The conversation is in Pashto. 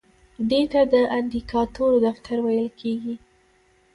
دې ته د اندیکاتور دفتر ویل کیږي.